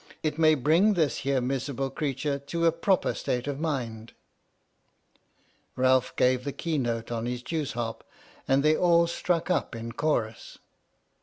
It may bring this here miserable creetur to a proper state of mind!" Ralph gave the key note on his jews' harp, and they all struck up in chorus.